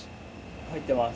入ってます。